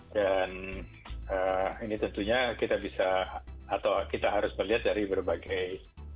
dan ini tentunya kita bisa atau kita harus melihat dari berbagai